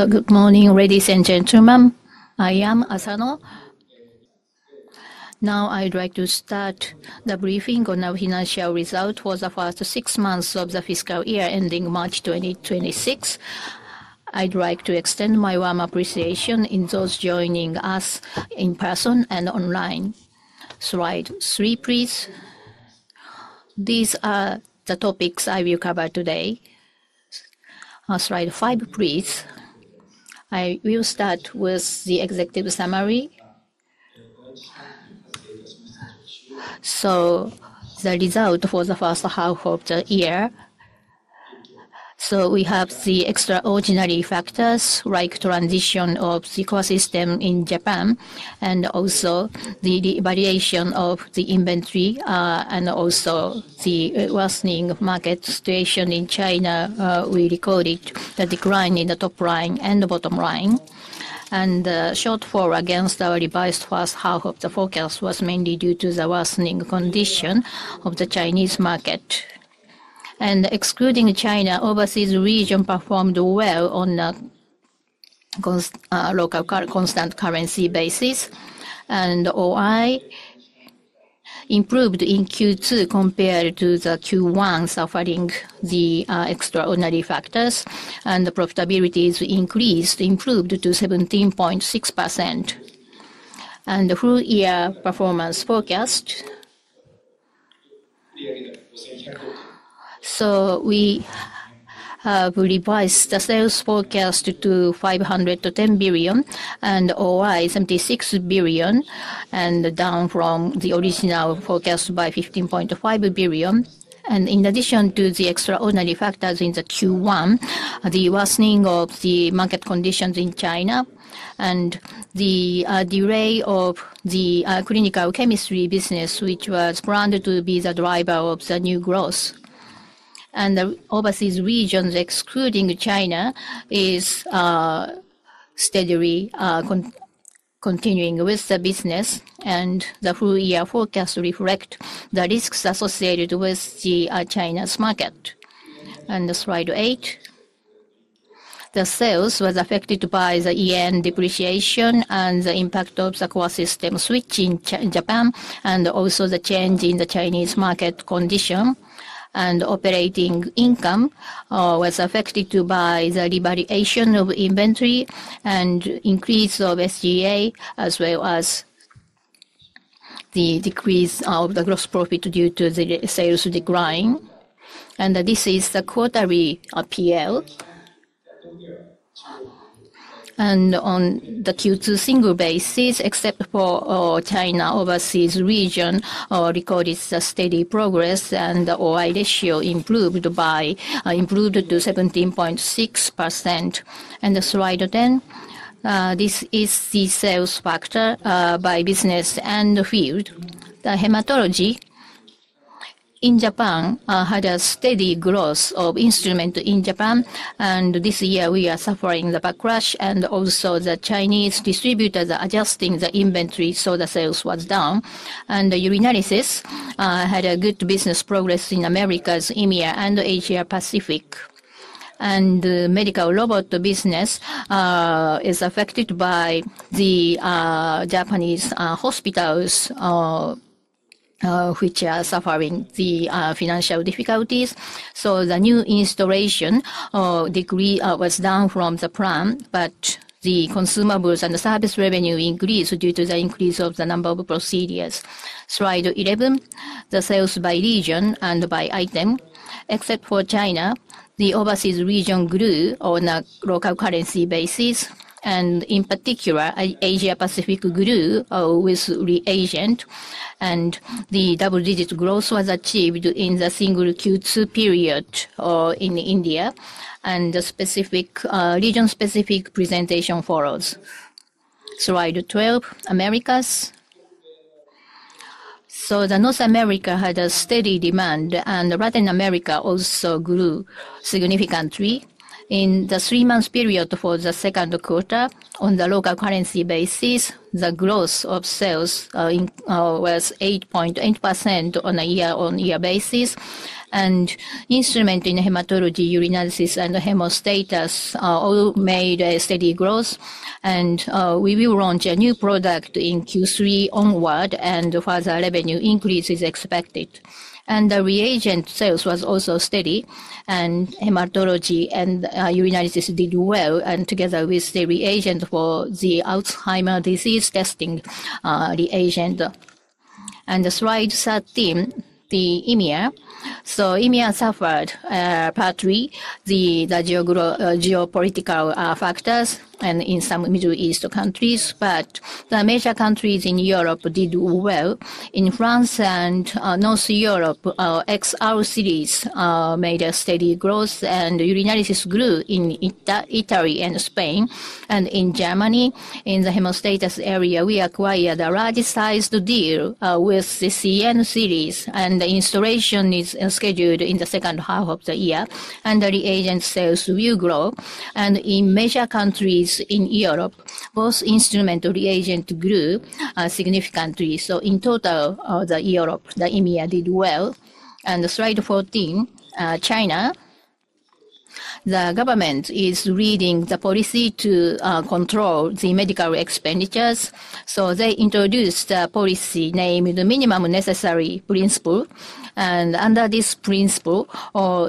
Good morning, ladies and gentlemen. I am Asano. Now, I'd like to start the briefing on our financial results for the first six months of the fiscal year ending March 2026. I'd like to extend my warm appreciation to those joining us in person and online. Slide 3, please. These are the topics I will cover today. Slide 5, please. I will start with the executive summary. The result for the first half of the year. We have the extraordinary factors like the transition of the ecosystem in Japan, and also the devaluation of the inventory, and also the worsening market situation in China. We recorded the decline in the top line and the bottom line. The shortfall against our revised first half of the forecast was mainly due to the worsening condition of the Chinese market. Excluding China, the overseas region performed well on a local constant currency basis, and the OI. improved in Q2 compared to Q1, suffering the extraordinary factors. The profitability increased, improved to 17.6%. The full-year performance forecast: we have revised the sales forecast to 510 billion, and the O.I. is 76 billion, down from the original forecast by 15.5 billion. In addition to the extraordinary factors in Q1, the worsening of the market conditions in China, and the delay of the clinical chemistry business, which was grounded to be the driver of the new growth. The overseas region, excluding China, is steadily continuing with the business, and the full-year forecast reflects the risks associated with China's market. Slide 8. The sales were affected by the yen depreciation and the impact of the ecosystem switch in Japan, and also the change in the Chinese market condition. Operating income was affected by the devaluation of inventory and increase of SG&A, as well as the decrease of the gross profit due to the sales decline. This is the quarterly appeal. On the Q2 single basis, except for China overseas region, recorded steady progress, and the OI ratio improved by 17.6%. Slide 10. This is the sales factor by business and field. The hematology. In Japan, had a steady growth of instruments in Japan, and this year we are suffering the backlash, and also the Chinese distributors adjusting the inventory, so the sales was down. The urinalysis had good business progress in Americas, India, and Asia-Pacific. The medical robot business is affected by the Japanese hospitals, which are suffering financial difficulties. The new installation degree was down from the plan, but the consumables and the service revenue increased due to the increase of the number of procedures. Slide 11. The sales by region and by item. Except for China, the overseas region grew on a local currency basis, and in particular, Asia-Pacific grew with reagent, and the double-digit growth was achieved in the single Q2 period in India, and the region-specific presentation follows. Slide 12. Americas. North America had a steady demand, and Latin America also grew significantly. In the three-month period for the second quarter, on the local currency basis, the growth of sales was 8.8% on a year-on-year basis, and instrument in hematology, urinalysis, and hemostasis all made a steady growth. We will launch a new product in Q3 onward, and further revenue increase is expected. The reagent sales was also steady, and hematology and urinalysis did well, together with the reagent for the Alzheimer's disease testing reagent. Slide 13, the EMEA. EMEA suffered partly due to geopolitical factors and in some Middle East countries, but the major countries in Europe did well. In France and North Europe, XR series made a steady growth, and urinalysis grew in Italy and Spain, and in Germany. In the hemostasis area, we acquired a large-sized deal with the CN series, and the installation is scheduled in the second half of the year, and the reagent sales will grow. In major countries in Europe, both instrument reagents grew significantly. In total, the EMEA did well. Slide 14, China. The government is reading the policy to control the medical expenditures. They introduced a policy named the Minimum Necessary Principle, and under this principle,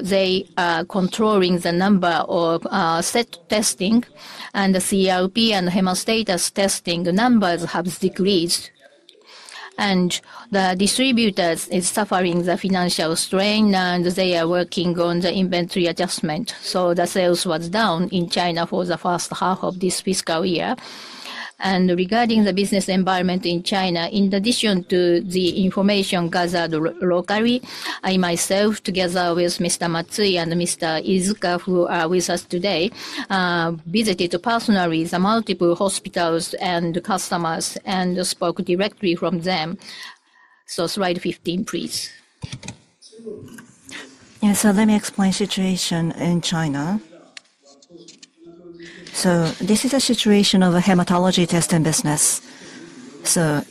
they are controlling the number of set testing, and the CRP and hemostasis testing numbers have decreased. The distributors are suffering financial strain, and they are working on the inventory adjustment. The sales were down in China for the first half of this fiscal year. Regarding the business environment in China, in addition to the information gathered locally, I myself, together with Mr. Matsui and Mr. Iizuka, who are with us today, visited personally the multiple hospitals and customers and spoke directly from them. Slide 15, please. Yeah, let me explain the situation in China. This is a situation of a hematology testing business.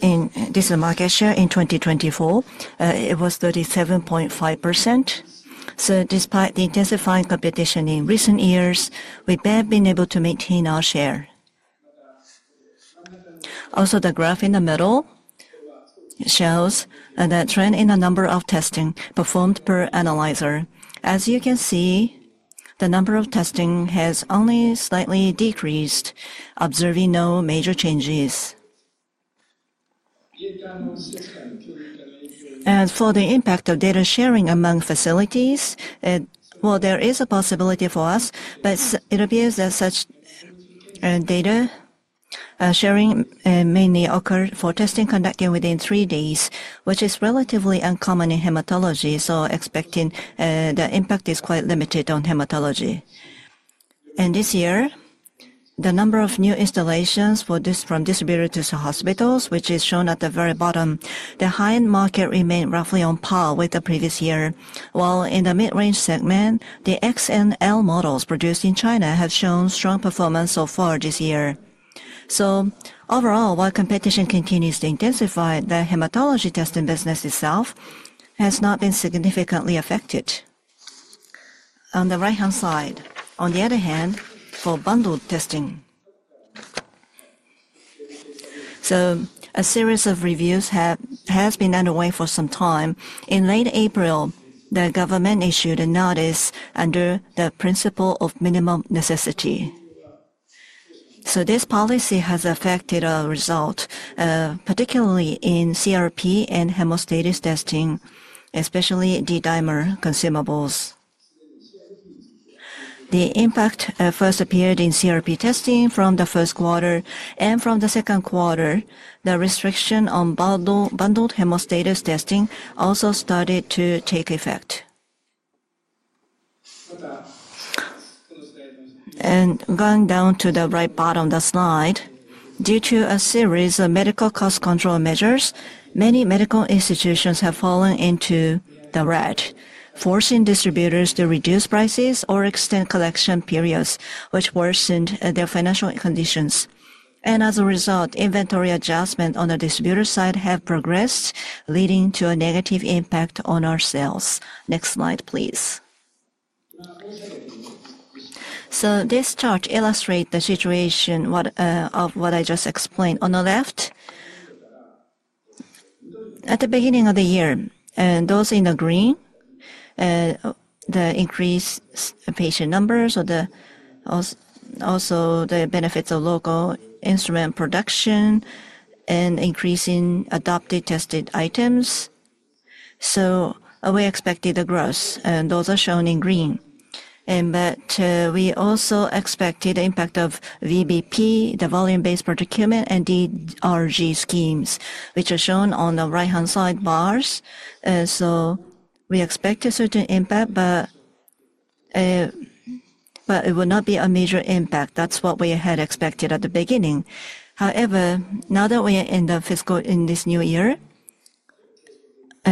In this market share in 2024, it was 37.5%. Despite the intensifying competition in recent years, we've been able to maintain our share. Also, the graph in the middle shows the trend in the number of testing performed per analyzer. As you can see, the number of testing has only slightly decreased, observing no major changes. For the impact of data sharing among facilities, there is a possibility for us, but it appears that such data sharing mainly occurs for testing conducted within three days, which is relatively uncommon in hematology, so expecting the impact is quite limited on hematology. This year, the number of new installations from distributed to hospitals, which is shown at the very bottom, the high-end market remained roughly on par with the previous year, while in the mid-range segment, the X and L models produced in China have shown strong performance so far this year. Overall, while competition continues to intensify, the hematology testing business itself has not been significantly affected. On the right-hand side, on the other hand, for bundled testing. A series of reviews has been underway for some time. In late April, the government issued a notice under the principle of minimum necessity. This policy has affected our result, particularly in CRP and hemostasis testing, especially D-dimer consumables. The impact first appeared in CRP testing from the first quarter, and from the second quarter, the restriction on bundled hemostasis testing also started to take effect. Going down to the right bottom of the slide, due to a series of medical cost control measures, many medical institutions have fallen into the red, forcing distributors to reduce prices or extend collection periods, which worsened their financial conditions. As a result, inventory adjustments on the distributor side have progressed, leading to a negative impact on our sales. Next slide, please. This chart illustrates the situation of what I just explained. On the left, at the beginning of the year, and those in the green, the increased patient numbers, also the benefits of local instrument production and increasing adopted tested items. We expected the growth, and those are shown in green. We also expected the impact of VBP, the volume-based procurement, and DRG schemes, which are shown on the right-hand side bars. We expected a certain impact, but it will not be a major impact. That is what we had expected at the beginning. However, now that we are in this new year,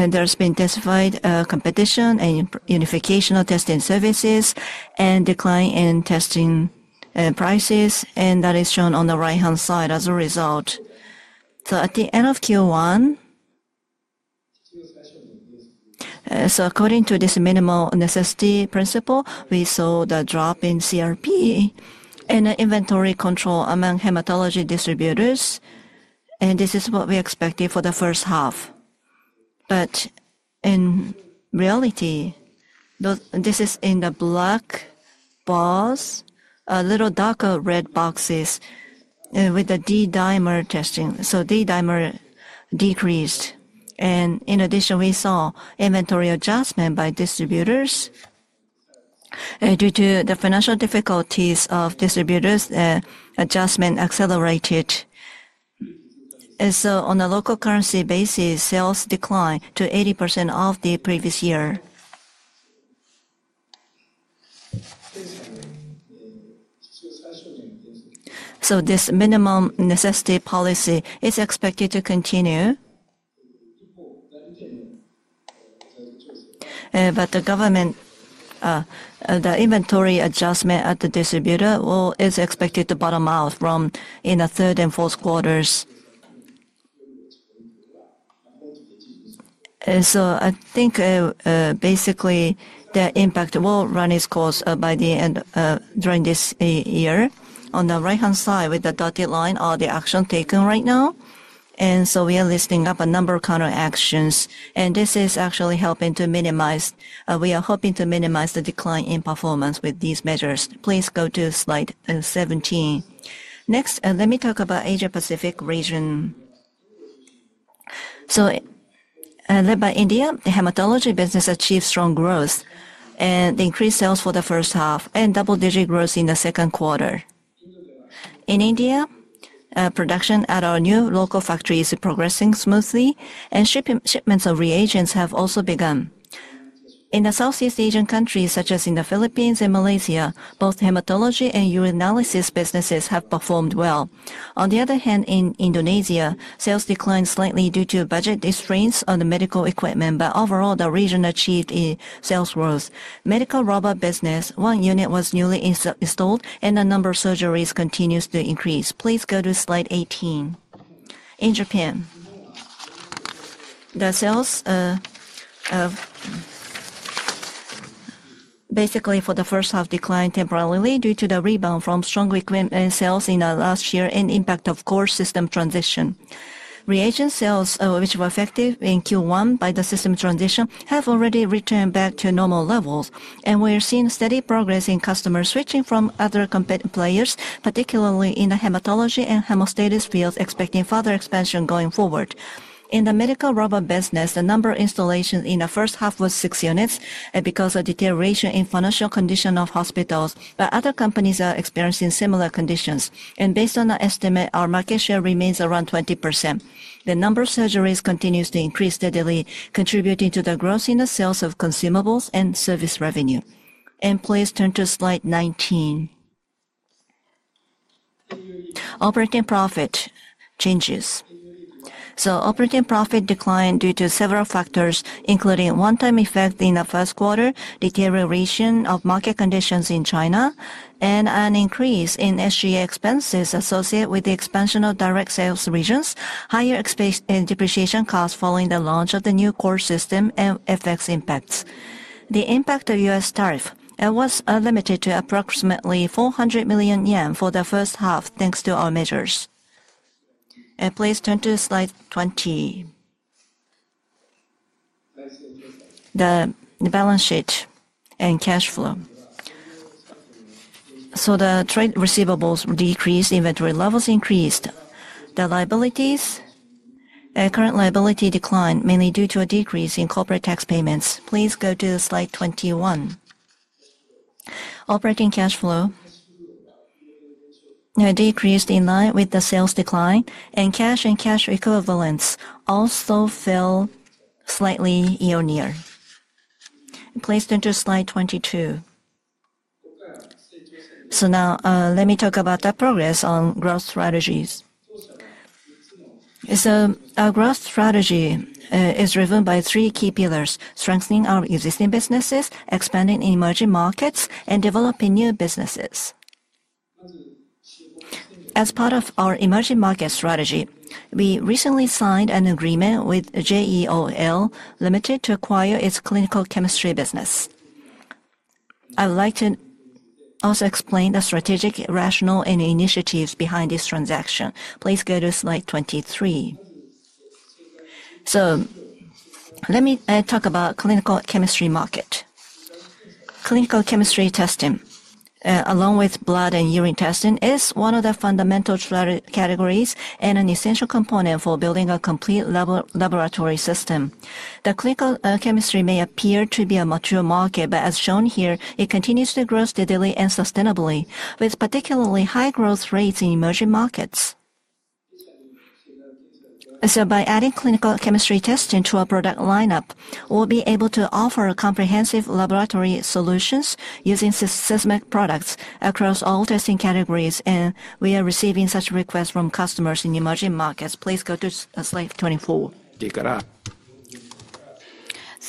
there has been intensified competition and unification of testing services and decline in testing prices, and that is shown on the right-hand side as a result. At the end of Q1, according to this Minimum Necessary Principle, we saw the drop in CRP and inventory control among hematology distributors, and this is what we expected for the first half. In reality, this is in the black bars, a little darker red boxes with the D-dimer testing. D-dimer decreased. In addition, we saw inventory adjustment by distributors. Due to the financial difficulties of distributors, adjustment accelerated. On a local currency basis, sales declined to 80% of the previous year. This minimum necessity policy is expected to continue. The inventory adjustment at the distributor is expected to bottom out in the third and fourth quarters. I think basically the impact will run its course by the end during this year. On the right-hand side, with the dotted line are the actions taken right now. We are listing up a number of counteractions. This is actually helping to minimize, we are hoping to minimize the decline in performance with these measures. Please go to slide 17. Next, let me talk about Asia-Pacific region. By India, the hematology business achieved strong growth and increased sales for the first half and double-digit growth in the second quarter. In India, production at our new local factory is progressing smoothly, and shipments of reagents have also begun. In the Southeast Asian countries, such as in the Philippines and Malaysia, both hematology and urinalysis businesses have performed well. On the other hand, in Indonesia, sales declined slightly due to budget strains on the medical equipment, but overall, the region achieved sales growth. Medical robot business, one unit was newly installed, and the number of surgeries continues to increase. Please go to slide 18. In Japan, the sales basically for the first half declined temporarily due to the rebound from strong equipment sales in the last year and impact of core system transition. Reagent sales, which were effective in Q1 by the system transition, have already returned back to normal levels, and we're seeing steady progress in customers switching from other competitor players, particularly in the hematology and hemostasis fields, expecting further expansion going forward. In the medical robot business, the number of installations in the first half was six units because of deterioration in financial condition of hospitals, but other companies are experiencing similar conditions. Based on the estimate, our market share remains around 20%. The number of surgeries continues to increase steadily, contributing to the growth in the sales of consumables and service revenue. Please turn to slide 19. Operating profit changes. Operating profit declined due to several factors, including one-time effect in the first quarter, deterioration of market conditions in China, and an increase in SG&A expenses associated with the expansion of direct sales regions, higher expense and depreciation costs following the launch of the new core system and effects impacts. The impact of U.S. tariff, it was limited to approximately 400 million yen for the first half thanks to our measures. Please turn to slide 20. The balance sheet and cash flow. The trade receivables decreased, inventory levels increased. The liabilities, current liability declined mainly due to a decrease in corporate tax payments. Please go to slide 21. Operating cash flow decreased in line with the sales decline, and cash and cash equivalents also fell slightly year-on-year. Please turn to slide 22. Now, let me talk about the progress on growth strategies. Our growth strategy is driven by three key pillars: strengthening our existing businesses, expanding emerging markets, and developing new businesses. As part of our emerging market strategy, we recently signed an agreement with JEOL Limited to acquire its clinical chemistry business. I would like to also explain the strategic rationale and initiatives behind this transaction. Please go to slide 23. Let me talk about clinical chemistry market. Clinical chemistry testing, along with blood and urine testing, is one of the fundamental categories and an essential component for building a complete laboratory system. Clinical chemistry may appear to be a mature market, but as shown here, it continues to grow steadily and sustainably, with particularly high growth rates in emerging markets. By adding clinical chemistry testing to our product lineup, we'll be able to offer comprehensive laboratory solutions using systemic products across all testing categories, and we are receiving such requests from customers in emerging markets. Please go to slide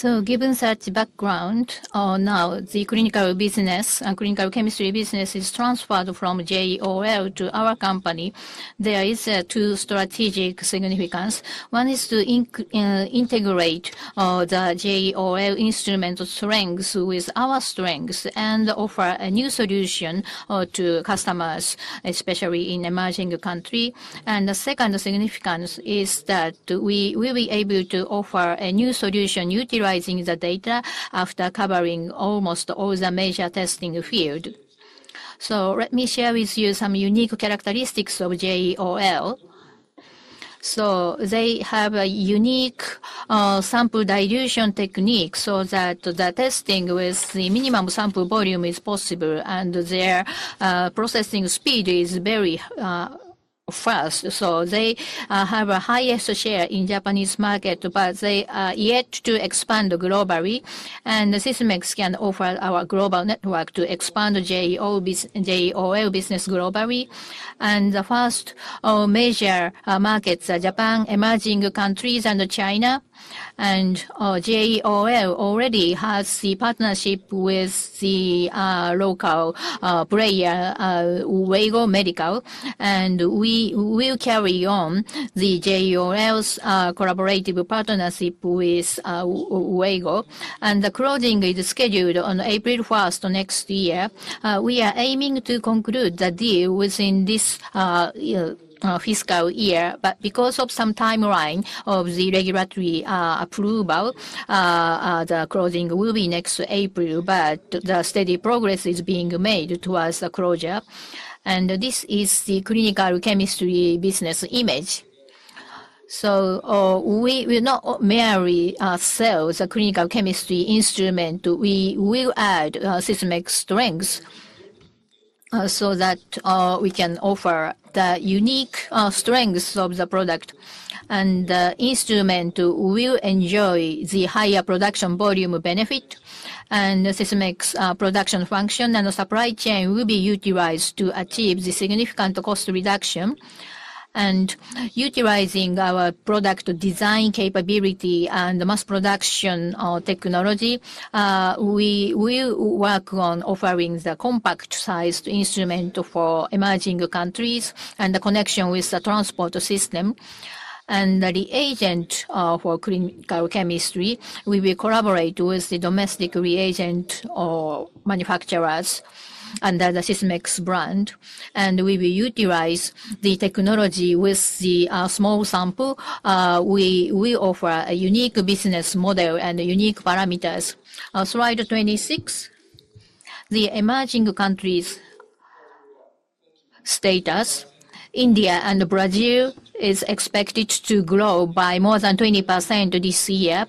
24. Given such background, now the clinical chemistry business is transferred from JEOL to our company. There are two strategic significances. One is to integrate the JEOL instrument strengths with our strengths and offer a new solution to customers, especially in emerging countries. The second significance is that we will be able to offer a new solution utilizing the data after covering almost all the major testing fields. Let me share with you some unique characteristics of JEOL. They have a unique sample dilution technique so that testing with the minimum sample volume is possible, and their processing speed is very fast. They have the highest share in the Japanese market, but they are yet to expand globally, and Sysmex can offer our global network to expand JEOL business globally. The first major markets are Japan, emerging countries, and China. JEOL already has the partnership with the local player, WEGO Medical, and we will carry on JEOL's collaborative partnership with WEGO. The closing is scheduled on April 1 next year. We are aiming to conclude the deal within this fiscal year, but because of some timeline of the regulatory approval, the closing will be next April. The steady progress is being made towards the closure. This is the clinical chemistry business image. We will not merely sell the clinical chemistry instrument. We will add Sysmex strengths so that we can offer the unique strengths of the product, and the instrument will enjoy the higher production volume benefit. Sysmex production function and the supply chain will be utilized to achieve the significant cost reduction. Utilizing our product design capability and mass production technology, we will work on offering the compact-sized instrument for emerging countries and the connection with the transport system. The reagent for clinical chemistry, we will collaborate with the domestic reagent manufacturers under the Sysmex brand. We will utilize the technology with the small sample. We will offer a unique business model and unique parameters. Slide 26. The emerging countries' status. India and Brazil are expected to grow by more than 20% this year.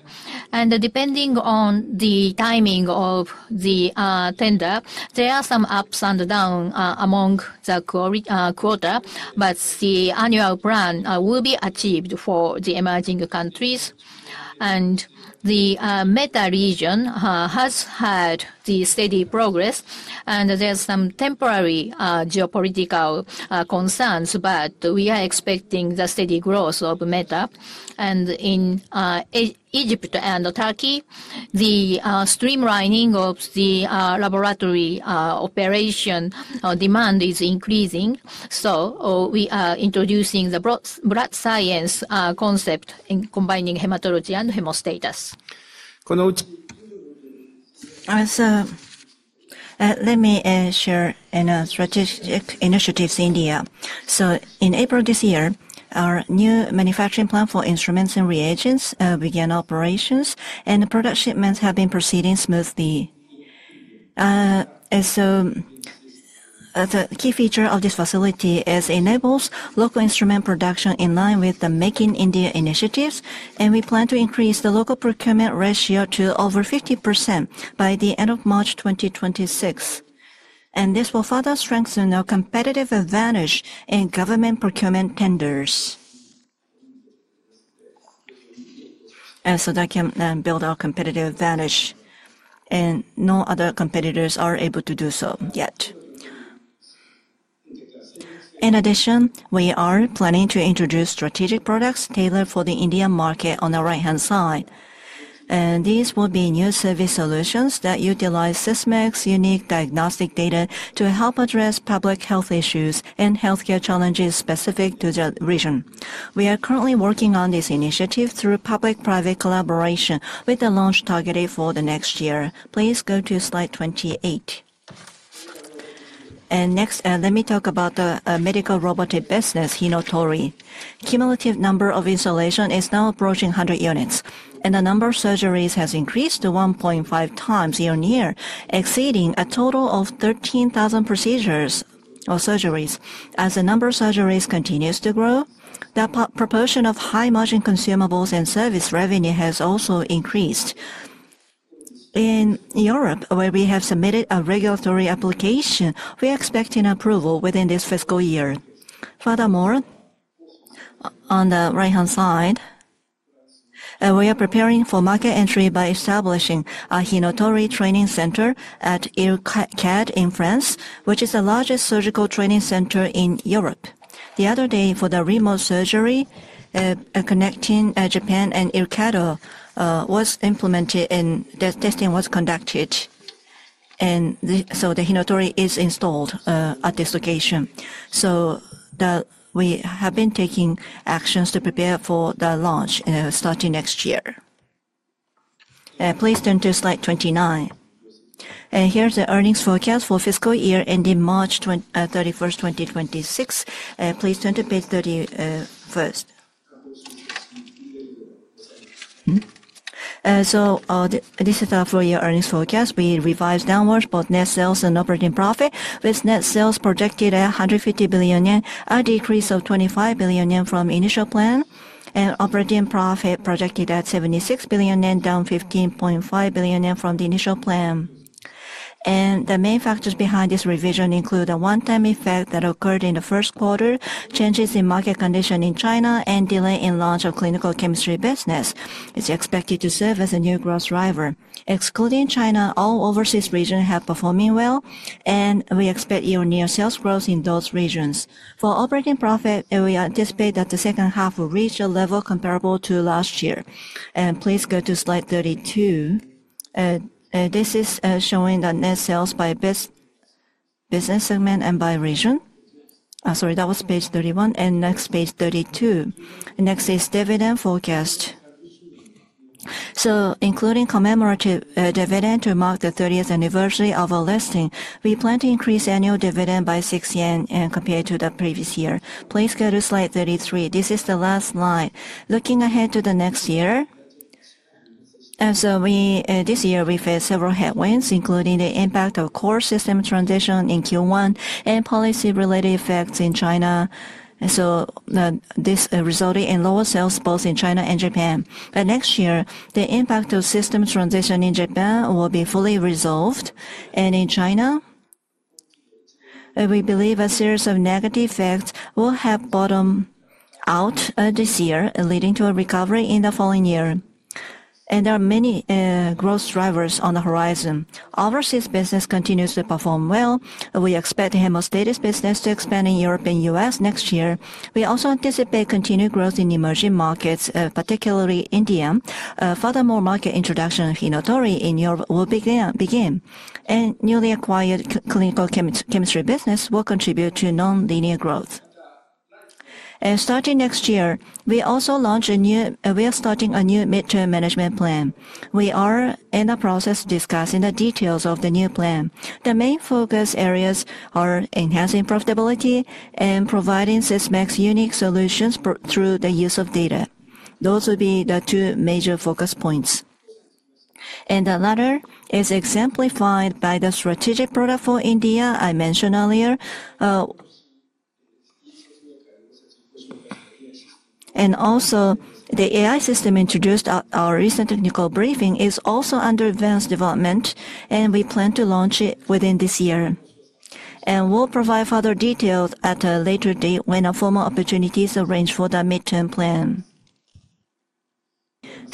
Depending on the timing of the tender, there are some ups and downs among the quarter, but the annual plan will be achieved for the emerging countries. The META region has had steady progress, and there are some temporary geopolitical concerns, but we are expecting the steady growth of META. In Egypt and Turkey, the streamlining of the laboratory operation demand is increasing. We are introducing the blood science concept in combining hematology and hemostasis. As a, let me share in a strategic initiative in India. In April this year, our new manufacturing plant for instruments and reagents began operations, and the product shipments have been proceeding smoothly. The key feature of this facility is it enables local instrument production in line with the Making India initiatives, and we plan to increase the local procurement ratio to over 50% by the end of March 2026. This will further strengthen our competitive advantage in government procurement tenders. That can build our competitive advantage, and no other competitors are able to do so yet. In addition, we are planning to introduce strategic products tailored for the Indian market on the right-hand side. These will be new service solutions that utilize Sysmex's unique diagnostic data to help address public health issues and healthcare challenges specific to the region. We are currently working on this initiative through public-private collaboration with the launch targeted for next year. Please go to slide 28. Next, let me talk about the medical robotic business, Hinotori. Cumulative number of installations is now approaching 100 units, and the number of surgeries has increased to 1.5 times year-on-year, exceeding a total of 13,000 procedures or surgeries. As the number of surgeries continues to grow, the proportion of high-margin consumables and service revenue has also increased. In Europe, where we have submitted a regulatory application, we are expecting approval within this fiscal year. Furthermore, on the right-hand side, we are preparing for market entry by establishing a Hinotori training center at Ircad in France, which is the largest surgical training center in Europe. The other day for the remote surgery, connecting Japan and Ircad was implemented and the testing was conducted. The Hinotori is installed at this location. We have been taking actions to prepare for the launch starting next year. Please turn to slide 29. Here is the earnings forecast for fiscal year ending March 31st, 2026. Please turn to page 31. This is our four-year earnings forecast. We revised downwards both net sales and operating profit, with net sales projected at 150 billion yen, a decrease of 25 billion yen from the initial plan, and operating profit projected at 76 billion yen, down 15.5 billion yen from the initial plan. The main factors behind this revision include a one-time effect that occurred in the first quarter, changes in market condition in China, and delay in launch of clinical chemistry business. It is expected to serve as a new growth driver. Excluding China, all overseas regions have performed well, and we expect year-on-year sales growth in those regions. For operating profit, we anticipate that the second half will reach a level comparable to last year. Please go to slide 32. This is showing the net sales by business segment and by region. Sorry, that was page 31. Next, page 32. Next is dividend forecast. Including commemorative dividend to mark the 30th anniversary of our listing, we plan to increase annual dividend by 6 yen compared to the previous year. Please go to slide 33. This is the last line. Looking ahead to the next year, this year we faced several headwinds, including the impact of core system transition in Q1 and policy-related effects in China. This resulted in lower sales both in China and Japan. Next year, the impact of system transition in Japan will be fully resolved. In China, we believe a series of negative effects will have bottomed out this year, leading to a recovery in the following year. There are many growth drivers on the horizon. Overseas business continues to perform well. We expect hemostatic business to expand in Europe and the U.S. next year. We also anticipate continued growth in emerging markets, particularly India. Furthermore, market introduction of Hinotori in Europe will begin. Newly acquired clinical chemistry business will contribute to non-linear growth. Starting next year, we are also launching a new mid-term management plan. We are in the process of discussing the details of the new plan. The main focus areas are enhancing profitability and providing Sysmex unique solutions through the use of data. Those will be the two major focus points. The latter is exemplified by the strategic product for India I mentioned earlier. Also, the AI system introduced at our recent technical briefing is under advanced development, and we plan to launch it within this year. We will provide further details at a later date when a formal opportunity is arranged for the mid-term plan.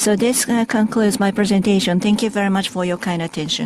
This concludes my presentation. Thank you very much for your kind attention.